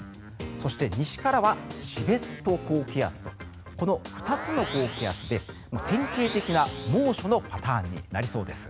そして、西からはチベット高気圧とこの２つの高気圧で典型的な猛暑のパターンになりそうです。